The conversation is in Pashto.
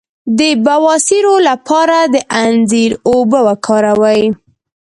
د بواسیر لپاره د انځر اوبه وکاروئ